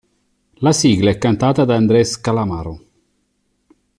La sigla è cantata da Andrés Calamaro.